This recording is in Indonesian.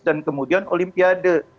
dan kemudian olimpiade